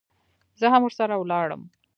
زه هم ورسره ولاړم.